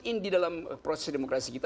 dan di dalam proses demokrasi kita